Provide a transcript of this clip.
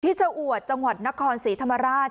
ที่ชาวอวดจังหวัดนครสีธรรมราช